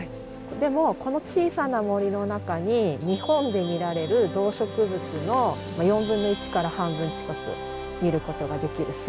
でもこの小さな森の中に日本で見られる動植物の４分の１から半分近く見ることができるすごい森なんですね。